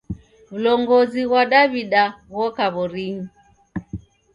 W'ulongozi ghwa Daw'ida ghoka w'orinyi.